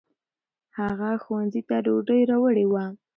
هغه ښوونځي ته ډوډۍ راوړې وه.